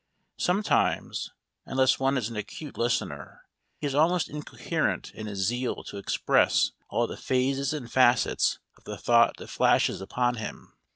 Sometimes, unless one is an acute listener, he is almost incoherent in his zeal to express all the phases and facets of the thought that flashes upon him.